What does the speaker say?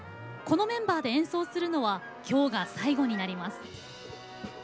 このメンバーで演奏するのはきょうが最後になります。